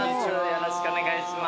よろしくお願いします。